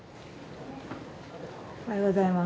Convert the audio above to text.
おはようございます。